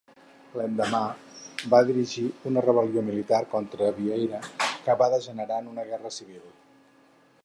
L'endemà va dirigir una rebel·lió militar contra Vieira que va degenerar en una guerra civil.